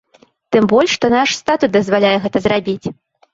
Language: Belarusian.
Тым больш што наш статут дазваляе гэта рабіць.